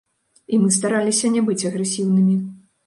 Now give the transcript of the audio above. І мы стараліся не быць агрэсіўнымі.